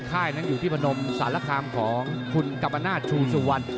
ค่ายนั้นอยู่ที่พนมสารคามของคุณกรรมนาศชูสุวรรณ